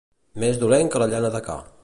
Més dolent que la llana de ca.